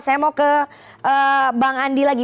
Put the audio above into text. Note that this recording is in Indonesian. saya mau ke bang andi lagi